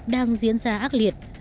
đang diễn ra ác liệt